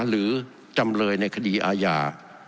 หรือจำเลยในคดีอาญา